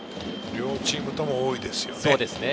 両チームとも多いですよね。